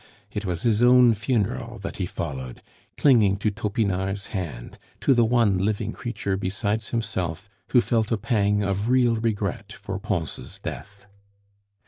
It was his own funeral that he followed, clinging to Topinard's hand, to the one living creature besides himself who felt a pang of real regret for Pons' death.